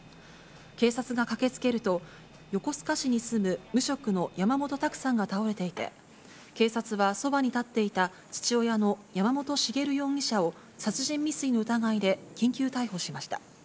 警察が駆けつけると、横須賀市に住む無職の山本卓さんが倒れていて、警察はそばに立っていた父親の山本茂容疑者を、殺人未遂の疑いで緊急逮捕しました。